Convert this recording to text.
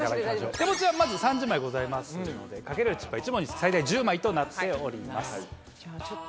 手持ちはまず３０枚ございますので賭けるチップは１問につき最大１０枚となっております。